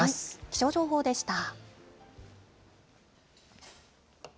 気象情報でした。